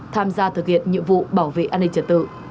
tham gia thực hiện nhiệm vụ bảo vệ an ninh trật tự